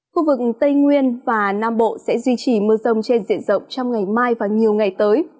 khu vực tây nguyên và nam bộ sẽ duy trì mưa rông trên diện rộng trong ngày mai và nhiều ngày tới